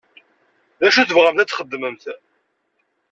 D acu i tebɣamt ad t-xedmemt?